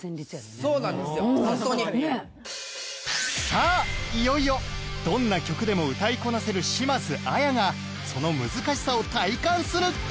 さあいよいよどんな曲でも歌いこなせる島津亜矢がその難しさを体感する！